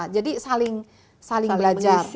jadi saling belajar